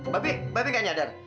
babi babi nggak nyadar